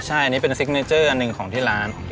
ใช่อันนี้เป็นซิกเนเจอร์อันหนึ่งของที่ร้าน